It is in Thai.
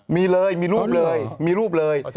มีเลยมีรูปเลย